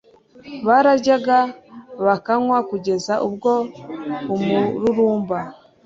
Bararyaga bakanywa kugeza ubwo umururumba